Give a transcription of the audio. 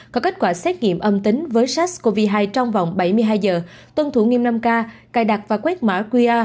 có kết quả xét nghiệm âm tính với sars cov hai trong vòng bảy mươi hai giờ tuân thủ nghiêm năm k cài đặt và quét mã qr